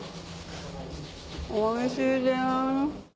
おいしいです。